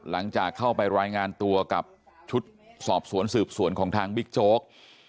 หลังจากเข้าไปรายงานตัวกับชุดสอบสวนสืบสวนของทางบิ๊กโจ๊ก